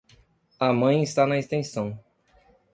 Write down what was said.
A mãe está na extensão.